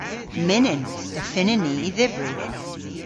Mynnyn. Y fynnyn ni y dhybri.